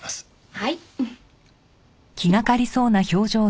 はい。